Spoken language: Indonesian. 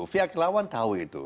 pihak lawan tahu itu